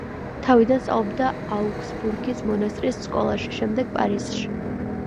თავიდან სწავლობდა აუგსბურგის მონასტრის სკოლაში, შემდეგ პარიზში.